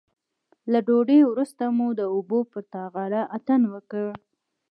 له ډوډۍ وروسته مو د اوبو پر غاړه اتڼ وکړ.